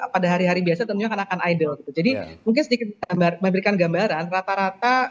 pada hari hari biasa tentunya karena akan idol gitu jadi mungkin sedikit gambar memberikan gambaran rata rata